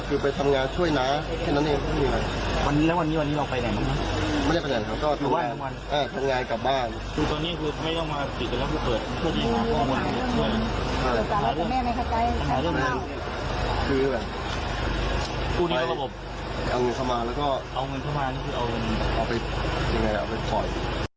เอาเงินเข้ามาเอาเงินเข้าไปปล่อย